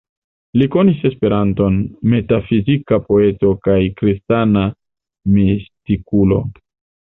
Li konis Esperanton, metafizika poeto kaj kristana mistikulo.